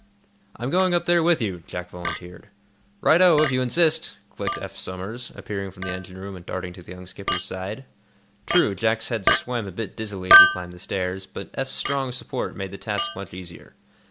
"I'm going up there with you," Jack volunteered. "Right o, if you insist," clicked Eph Somers, appearing from the engine room and darting to the young skipper's side. True, Jack's head swam a bit dizzily as he climbed the stairs, but Eph's strong support made the task much easier.